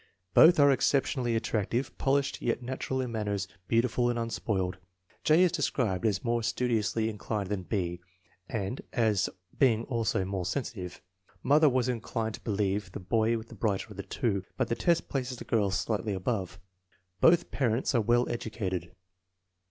Both are exceptionally attractive, polished yet natural in manners, beautiful and unspoiled. J. is described as more studiously inclined than B. and as being also more sensitive. Mother was inclined to believe the boy the brighter of the two, but the test places the girl slightly above. Both parents are well educated.